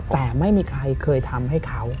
แต่ไม่มีใครเคยทำให้เขา